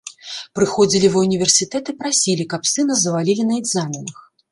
Прыходзілі ва ўніверсітэт і прасілі, каб сына завалілі на экзаменах.